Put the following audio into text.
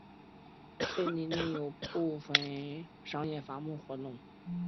森林内有部分商业伐木活动。